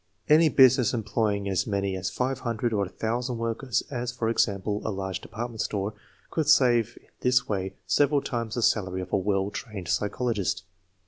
Any business employing as many 18 THE MEASUEEMENT OF INTELLIGENCE as five hundred or a thousand workers, as, for example, a large department store, could save in this way several times the salary of a well trained psychologist.